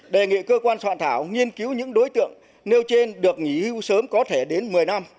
đề nghị cơ quan soạn thảo nghiên cứu những đối tượng nêu trên được nghỉ hưu sớm có thể đến một mươi năm